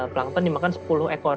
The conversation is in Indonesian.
pelangton ini makan sepuluh ekor